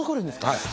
はい。